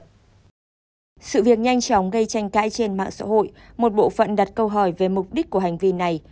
sự việc nhanh chóng gây tranh cãi trên mạng xã hội một bộ phận đặt câu hỏi về mục đích của hành vi này